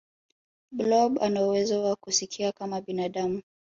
blob anauwezo wa kusikia kama binadamu